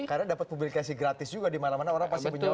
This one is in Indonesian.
karena dapat publikasi gratis juga dimana mana orang pasti menyorot itu ya